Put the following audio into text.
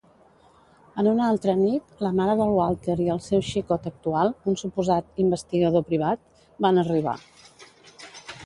En una altra nit, la mare del Walter i el seu xicot actual, un suposat "investigador privat", van arribar.